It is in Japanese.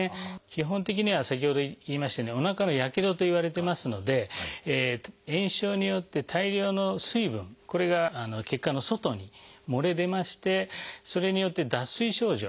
基本的には先ほど言いましたようにおなかのやけどといわれてますので炎症によって大量の水分これが血管の外に漏れ出ましてそれによって脱水症状